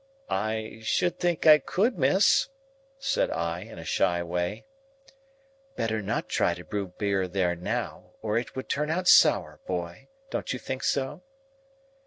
"I should think I could, miss," said I, in a shy way. "Better not try to brew beer there now, or it would turn out sour, boy; don't you think so?"